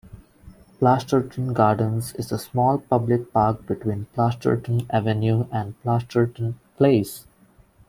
Plasturton Gardens is a small public park between Plasturton Avenue and Plasturton Place.